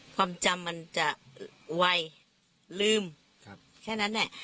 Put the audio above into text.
ความจำมันจะไวลืมแค่นั้นแหละ